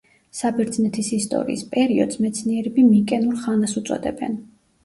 საბერძნეთის ისტორიის პერიოდს მეცნიერები მიკენურ ხანას უწოდებენ.